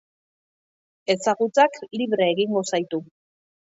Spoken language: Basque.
Ezagutzak libre egingo zaitu